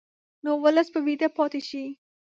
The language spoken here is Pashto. نو ولس به ویده پاتې شي.